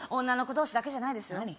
女の子同士だけじゃないですよ